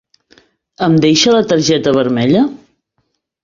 Em deixa la targeta vermella?